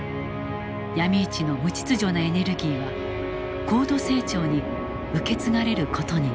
ヤミ市の無秩序なエネルギーは高度成長に受け継がれる事になる。